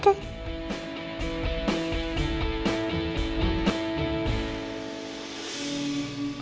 aku masih memburu sapa yang belum disambut